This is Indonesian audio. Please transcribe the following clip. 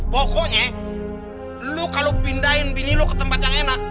pokoknya lo kalau pindahin bini lo ke tempat yang enak